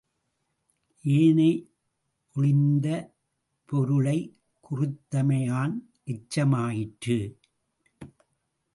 ஏனையொழிந்த பொருளைக் குறித்தமையான் எச்சமாயிற்று.